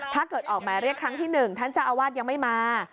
ถ้าเกิดออกหมายเรียกครั้งที่๑ท่านเจ้าอาวาสยังไม่มา